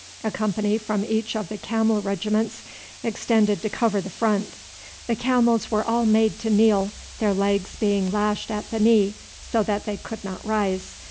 A company from each of the camel regiments extended to cover the front. The camels were all made to kneel, their legs being lashed at the knee so that they could not rise.